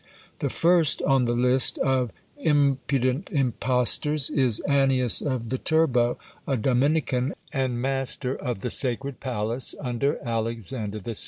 The first on the list of impudent impostors is Annius of Viterbo, a Dominican, and master of the sacred palace under Alexander VI.